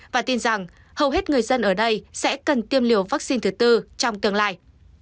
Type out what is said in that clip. và tin rằng hầu hết người dân ở đây sẽ cần tiêm liều vaccine thứ tư trong tương lai